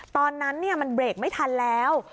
ตอนนั้นมันเบรกไม่ทันแล้ว